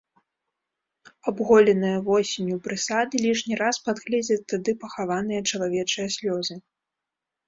Абголеныя восенню прысады лішні раз падгледзяць тады пахаваныя чалавечыя слёзы.